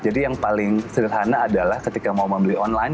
jadi yang paling sederhana adalah ketika mau membeli online